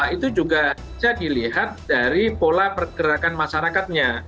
itu juga bisa dilihat dari pola pergerakan masyarakatnya